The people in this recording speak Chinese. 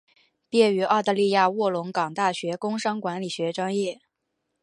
毕业于澳大利亚卧龙岗大学工商管理学专业。